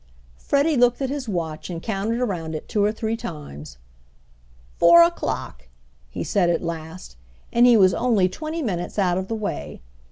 Freddie looked at his watch and counted around it two or three times. "Four o'clock!" he said at last, and he was only twenty minutes out of the way.